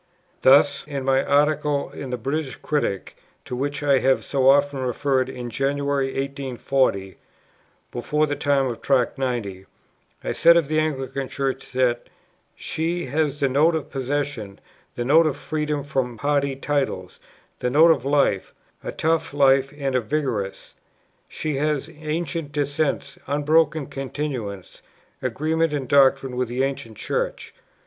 Thus, in my Article in the British Critic, to which I have so often referred, in January, 1840 (before the time of Tract 90), I said of the Anglican Church that "she has the note of possession, the note of freedom from party titles, the note of life, a tough life and a vigorous; she has ancient descent, unbroken continuance, agreement in doctrine with the Ancient Church."